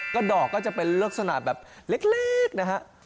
ก็ดอกก็จะเป็นลักษณะแบบเล็กนะฮะ